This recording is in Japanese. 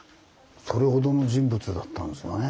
それほどの人物だったんでしょうね。